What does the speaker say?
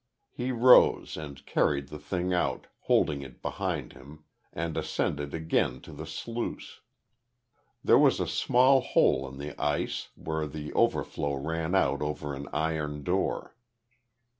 He rose, and carried the thing out, holding it behind him, and ascended again to the sluice. There was a small hole in the ice, where the overflow ran out over an iron door.